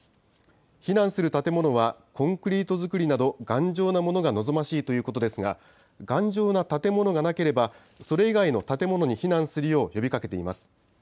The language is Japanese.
避難する建物は、コンクリート造りなど、頑丈なものが望ましいということですが、頑丈な建物がなければ、それ以外の建物に避難するよう呼びかけています。